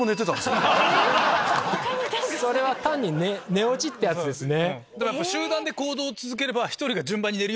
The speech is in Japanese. それは単に寝落ちってやつですね。